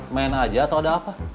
main aja atau ada apa